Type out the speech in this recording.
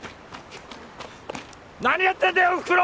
何やってんだよおふくろ！